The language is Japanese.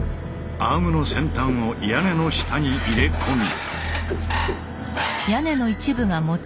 アームの先端を屋根の下に入れ込み。